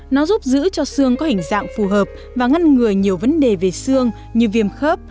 nó giúp giữ cho xương có hình dạng phù hợp và ngăn ngừa nhiều vấn đề về xương như viêm khớp